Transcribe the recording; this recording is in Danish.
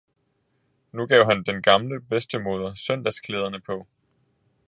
Nu gav han den gamle bedstemoder søndagsklæderne på.